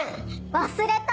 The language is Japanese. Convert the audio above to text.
忘れた？